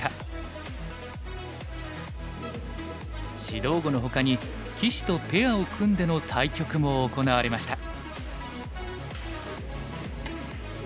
指導碁のほかに棋士とペアを組んでの対局も行われました。